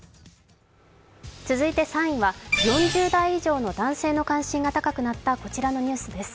続いて３位は４０代以上の男性の関心が高くなったこちらのニュースです。